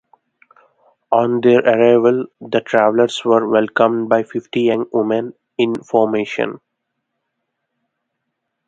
On their arrival, the travelers were welcomed by fifty young women in formation.